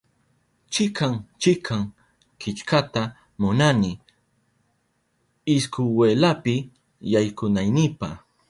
Chikan chikan killkata munani iskwelapi yaykunaynipa